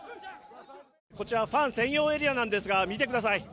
こちらファン専用エリアなんですが見てください。